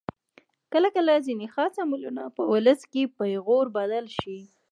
کله کله ځینې خاص عملونه په ولس کې پیغور بدل شي.